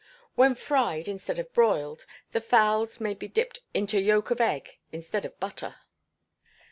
When fried instead of broiled, the fowls may be dipped into yolk of egg instead of butter.